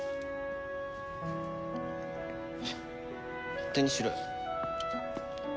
勝手にしろよ。